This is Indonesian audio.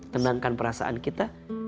tenangkan perasaan kita